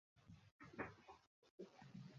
পরিশেষে এটা অচল হয়ে যায়।